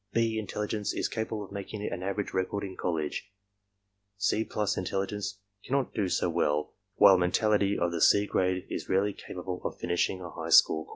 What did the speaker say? "B" intelligence is capable of making an average record in college, "C+" intelligence can not do so well, while mentality of the/ "C" grade is rarely capable of finishing a high school course.